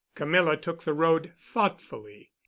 Camilla took the road thoughtfully.